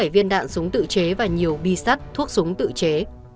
chín mươi bảy viên đạn súng tự chế và nhiều bi sắt thuốc súng tự chế